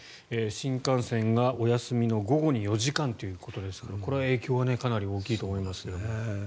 新幹線がお休みの午後に４時間ということですからこれはかなり影響が大きいと思いますが。